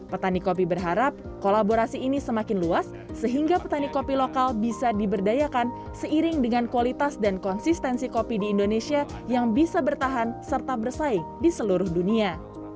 petani kopi berharap kolaborasi ini semakin luas sehingga petani kopi lokal bisa diberdayakan seiring dengan kualitas dan konsistensi kopi di indonesia yang bisa bertahan serta bersaing di seluruh dunia